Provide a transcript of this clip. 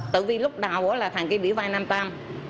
tự vì lúc đầu là thằng kia bị vai nam tam